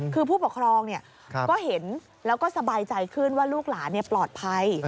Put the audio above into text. คือผู้ปกครองก็เห็นแล้วก็สบายใจขึ้นว่าลูกหลานปลอดภัย